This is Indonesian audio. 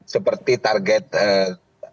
seperti target ketua tengah